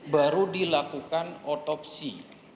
baru dilakukan otopsi